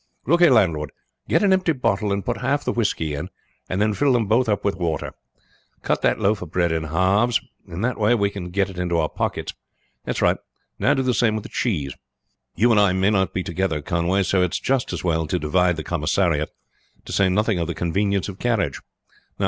Look here, landlord, get an empty bottle and put half the whisky in, and then fill them both up with water. Cut that loaf of bread in halves; in that way we can get it in our pockets. That's right; now do the same with the cheese. You and I may not be together, Conway, so it's just as well to divide the commissariat; to say nothing of the convenience of carriage.